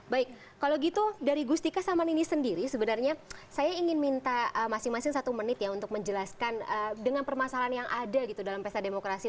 baik kalau gitu dari gustika sama nini sendiri sebenarnya saya ingin minta masing masing satu menit ya untuk menjelaskan dengan permasalahan yang ada gitu dalam pesta demokrasi